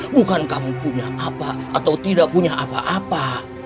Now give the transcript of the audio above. apa yang kamu punya atau tidak punya apa apa